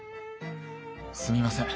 すみません